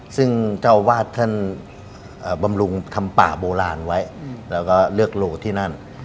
ซึ่งเจ้าอาวาสท่านบำรุงทำป่าโบราณไว้แล้วก็เลือกโลที่นั่น